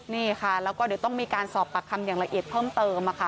นี่ค่ะแล้วก็เดี๋ยวต้องมีการสอบปากคำอย่างละเอียดเพิ่มเติมค่ะ